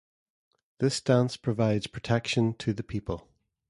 This dance provides protection to the people.